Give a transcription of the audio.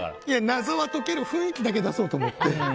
謎は解ける雰囲気だけ出そうと思って。